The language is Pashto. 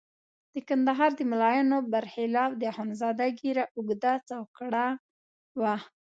د کندهار د ملایانو برخلاف د اخندزاده ږیره اوږده څوکړه وه.